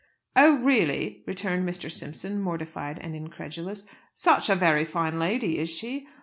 "Oh, really!" returned Mr. Simpson, mortified and incredulous. "Such a very fine lady, is she?